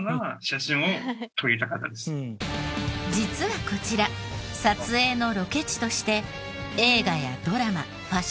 実はこちら撮影のロケ地として映画やドラマファッション